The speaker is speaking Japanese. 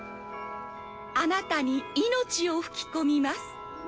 「あなたに命を吹き込みます」